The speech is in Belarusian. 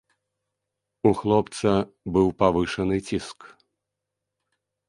У хлопца быў павышаны ціск.